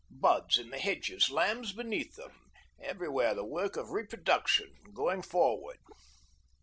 Buds in the hedges, lambs beneath them everywhere the work of reproduction going forward!